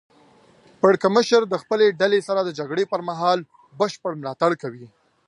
پړکمشر د خپلې ډلې سره د جګړې پر مهال بشپړ ملاتړ کوي.